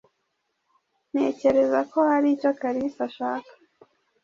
Ntekereza ko hari icyo Kalisa ashaka.